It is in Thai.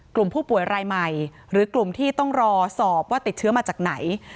กลุ่มผู้ป่วยรายใหม่หรือกลุ่มที่ต้องรอสอบว่าติดเชื้อมาจากไหน